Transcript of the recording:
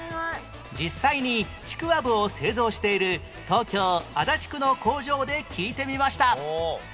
実際にちくわぶを製造している東京足立区の工場で聞いてみました